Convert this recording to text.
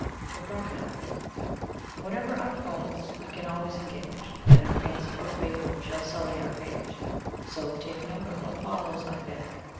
The Crocodile Whatever our faults, we can always engage That no fancy or fable shall sully our page, So take note of what follows, I beg.